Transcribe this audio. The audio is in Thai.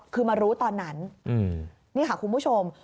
คือมารู้ตอนนั้นนี่ค่ะคุณผู้ชม